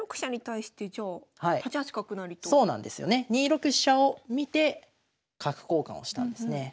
２六飛車を見て角交換をしたんですね。